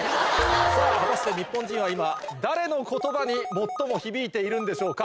さぁ果たしてニッポン人は今誰の言葉に最も響いているんでしょうか？